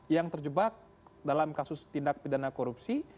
yang terjebak dalam kasus tindak pidana korupsi